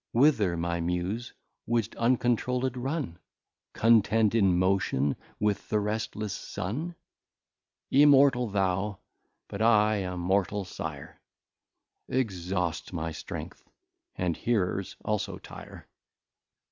Whither my Muse, would'st uncontrouled run? Contend in Motion with the restless Sun? Immortal thou, but I a mortal Sire Exhaust my strength, and Hearers also tire.